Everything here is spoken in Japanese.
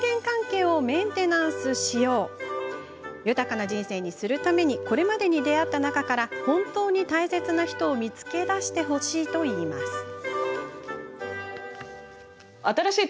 豊かな人生にするためにこれまでに出会った中から本当に大切な人を見つけ出してほしいといいます。